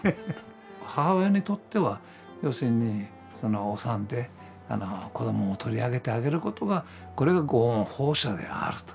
母親にとっては要するにお産で子どもを取り上げてあげることがこれが御恩報謝であると。